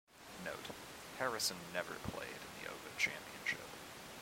Note: Harrison never played in The Open Championship.